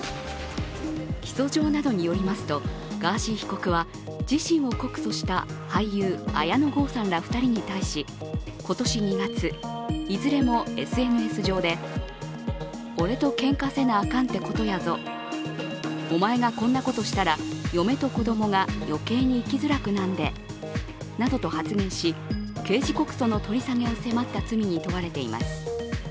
起訴状などによりますとガーシー被告は自身を告訴した俳優・綾野剛さんら２人に対し今年２月、いずれもＳＮＳ上で俺とけんかせなあかんってことやぞ、お前がこんなことしたら嫁と子供が余計に生きづらくなんでなどと発言し刑事告訴の取り下げを迫った罪に問われています。